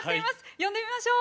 呼んでみましょう。